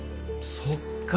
そっか！